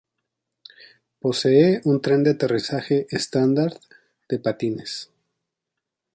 Posee un tren de aterrizaje estándar de patines.